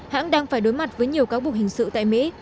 hãng đang phải đối mặt với nhiều cáo buộc hình sự tại mỹ